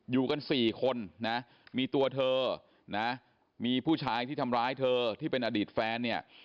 อยู่กัน๔คนนะมีตัวเธอนะมีผู้ชายที่ทำร้ายเธอที่เป็นอดีตแฟนเนี่ย